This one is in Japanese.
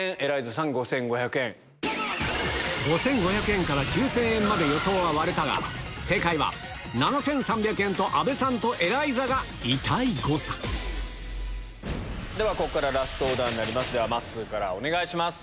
５５００円から９０００円まで予想は割れたが阿部さんとエライザが痛い誤差ここからラストオーダーまっすーからお願いします。